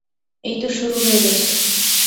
এইতো শুরু হয়ে গেছে।